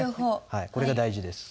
これが大事です。